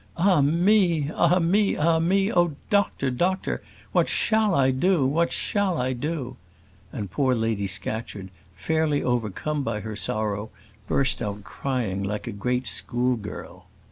Ah me! ah me! ah me! oh, doctor! doctor! what shall I do? what shall I do?" and poor Lady Scatcherd, fairly overcome by her sorrow, burst out crying like a great school girl.